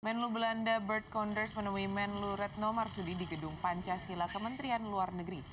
menlu belanda bert konders menemui menlu retno marsudi di gedung pancasila kementerian luar negeri